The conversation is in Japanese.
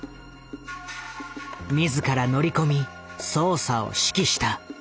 自ら乗り込み捜査を指揮した。